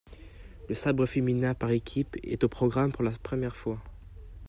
Le sabre féminin par équipe est au programme pour la première fois.